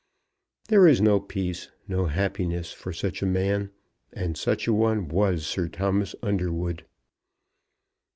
There is no peace, no happiness for such a man; and such a one was Sir Thomas Underwood.